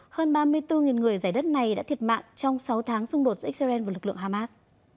hơn ba mươi bốn người giải đất này đã thiệt mạng trong sáu tháng xung đột giữa israel và lực lượng hamas